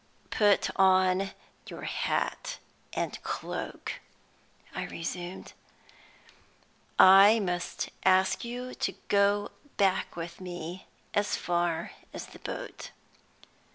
"Put on your hat and cloak," I resumed. "I must ask you to go back with me as far as the boat."